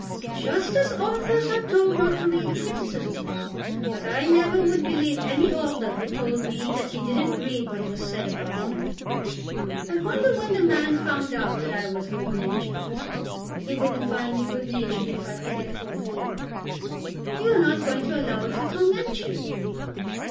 "Just as authors are told not to read the criticisms; but I never would believe any author who told me that he didn't read what was said about him. I wonder when the man found out that I was good natured. He wouldn't find me good natured if I could get hold of him." "You are not going to allow it to torment you!"